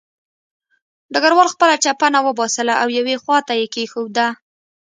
ډګروال خپله چپنه وباسله او یوې خوا ته یې کېښوده